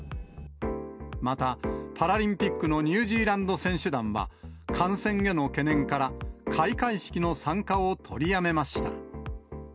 また、パラリンピックのニュージーランド選手団は、感染への懸念から、開会式の参加を取りやめました。